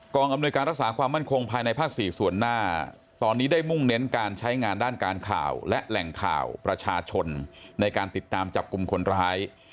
อำนวยการรักษาความมั่นคงภายในภาค๔ส่วนหน้าตอนนี้ได้มุ่งเน้นการใช้งานด้านการข่าวและแหล่งข่าวประชาชนในการติดตามจับกลุ่มคนร้าย